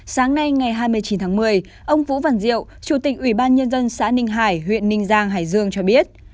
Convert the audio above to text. sáng nay ngày hai mươi chín tháng một mươi ông vũ văn diệu chủ tịch ủy ban nhân dân xã ninh hải huyện ninh giang hải dương cho biết